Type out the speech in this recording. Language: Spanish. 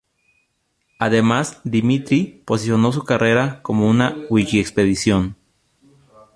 A demás, Dmitri posicionó su carrera como una wiki-expedición.